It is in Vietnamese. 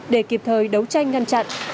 để kịp thời đấu tranh ngăn chặn